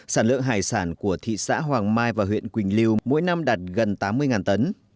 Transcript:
sản lượng hải sản của thị xã hoàng mai và huyện quỳnh lưu mỗi năm đạt gần tám mươi tấn